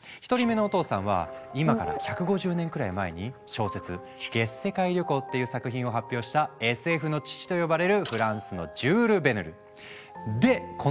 １人目のお父さんは今から１５０年くらい前に小説「月世界旅行」っていう作品を発表した「ＳＦの父」と呼ばれるフランスのジュール・ヴェルヌ。